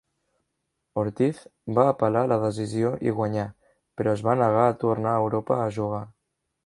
Ortiz va apel·lar la decisió i guanyà, però es va negar a tornar a Europa a jugar.